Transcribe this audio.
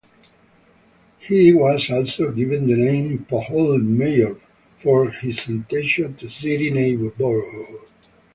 He was also given the name "pothole Mayor" for his attention to City neighborhoods.